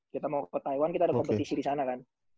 kita mau ke taiwan kita ada kompetisi disana kan